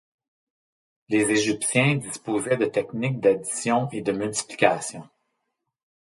Les Égyptiens disposaient de techniques d'addition et de multiplication.